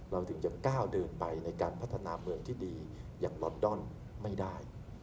เราถึงจะก้าวเดินไปในการพัฒนาเมืองที่ดีอย่างลอนดอนไม่ได้